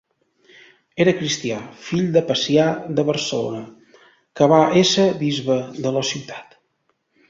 Era cristià, fill de Pacià de Barcelona, que va ésser bisbe de la ciutat.